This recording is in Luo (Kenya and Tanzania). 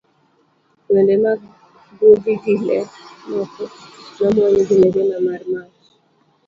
wende mag gwogi gi le moko nomwony gi mirima mar mach